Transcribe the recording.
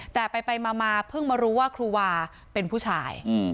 แต่ไปมาเพิ่งมารู้ว่าครูวาเป็นผู้ชาย